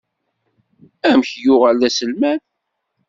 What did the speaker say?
Amek i yuɣal d aselmad?